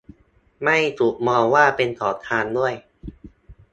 ไม่ถูกมองว่าเป็นขอทานด้วย